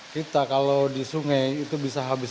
kita kalau di sungai itu bisa habis